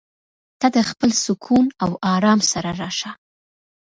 ته د خپل سکون او ارام سره راشه.